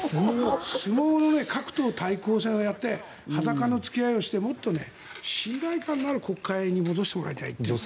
相撲の各党対抗戦をやって裸の付き合いをしてもっと信頼感のある国会に戻してほしいという。